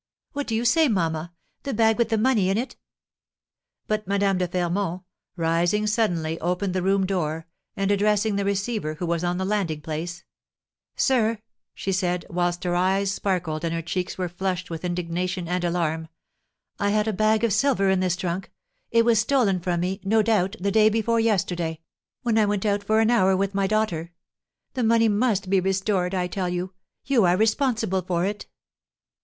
"What do you say, mamma, the bag with the money in it?" But Madame de Fermont, rising suddenly, opened the room door, and, addressing the receiver, who was on the landing place: "Sir," she said, whilst her eyes sparkled, and her cheeks were flushed with indignation and alarm, "I had a bag of silver in this trunk; it was stolen from me, no doubt, the day before yesterday, when I went out for an hour with my daughter. The money must be restored, I tell you, you are responsible for it!"